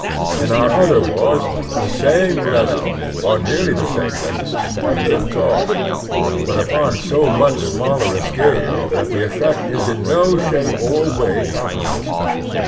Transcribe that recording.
In our 254 The Strenuous Life other wars the same lessons, or nearly the same lessons, have been taught, but upon so much smaller a scale that the effect is in no shape or way comparable.